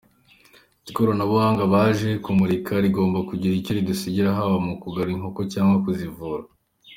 Ati “Ikoranabuhanga baje kumurika rigomba kugira icyo ridusigira haba mu kugaburira inkoko cyangwa kuzivura.